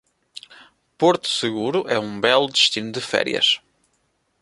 Porto Seguro é um belo destino de férias